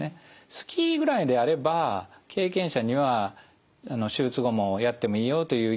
スキーぐらいであれば経験者には手術後もやってもいいよという意見が多いです。